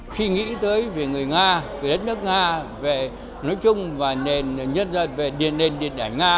khi nghĩ tới về người nga về đất nước nga về nói chung và nền nhân dân về điền nền điện ảnh nga